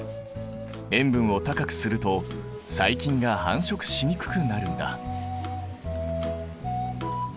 塩分を高くすると細菌が繁殖しにくくなるんだ。